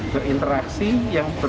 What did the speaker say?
ke interaksi yang berbeda